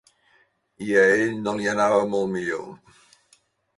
I a ell no li anava molt millor.